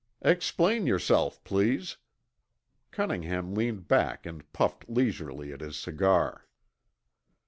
"Explain yourself, please." Cunningham leaned back and puffed leisurely at his cigar.